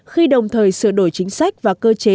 khi đồng thời sửa đổi chính sách và cơ chế